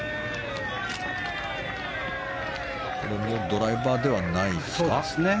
ドライバーではないですか。